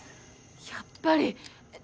やっぱりえ？